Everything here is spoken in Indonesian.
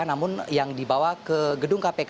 namun yang dibawa ke gedung kpk